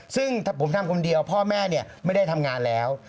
ซึ่งผมทำคนเดียวพ่อแม่ไม่ได้ทำงานแล้ว